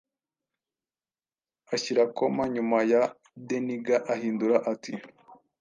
Ashyira koma nyuma ya Denigaahindura ati